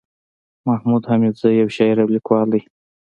محمود حميدزى يٶ شاعر او ليکوال دئ